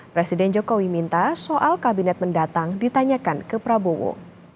presiden jokowi minta soal kabinet mendatang ditanyakan ke prabowo